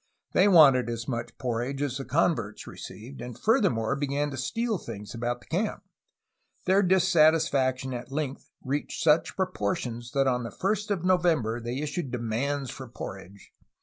They wanted as much porridge as the con verts received, and furthermore began to steal things about the camp. Their dissatisfaction at length reached such pro portions that on the 1st of November they issued demands for porridge.